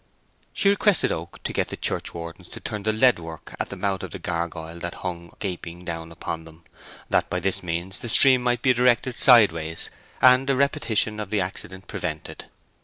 She requested Oak to get the churchwardens to turn the leadwork at the mouth of the gurgoyle that hung gaping down upon them, that by this means the stream might be directed sideways, and a repetition of the accident prevented.